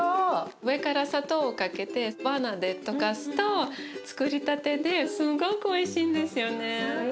上から砂糖をかけてバーナーで溶かすとつくりたてですごくおいしいんですよね。